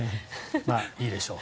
いいでしょう。